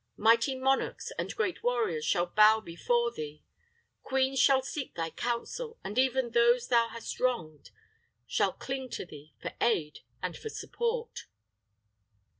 Mighty monarchs and great warriors shall bow before thee. Queens shall seek thy counsel, and even those thou hast wronged shall cling to thee for aid and for support."